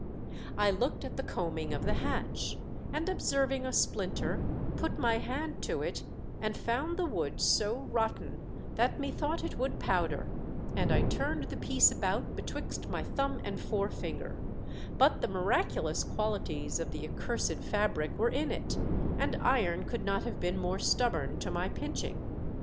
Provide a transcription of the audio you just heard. I looked at the coaming of the hatch, and observing a splinter, put my hand to it and found the wood so rotten that methought it would powder, and I turned the piece about betwixt my thumb and forefinger, but the miraculous qualities of the accursed fabric were in it and iron could not have been more stubborn to my pinching.